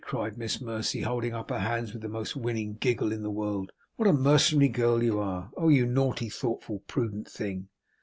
cried Miss Mercy, holding up her hands with the most winning giggle in the world, 'what a mercenary girl you are! oh you naughty, thoughtful, prudent thing!